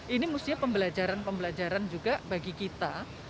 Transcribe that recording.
ini mestinya pembelajaran pembelajaran juga bagi kita